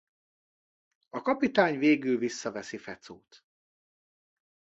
A kapitány végül visszaveszi Fecót.